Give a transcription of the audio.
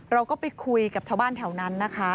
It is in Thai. เราก็ไปคุยกับชาวบ้านแถวนั้นนะคะ